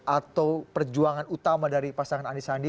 atau perjuangan utama dari pasangan anies sandi